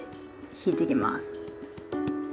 引いてきます。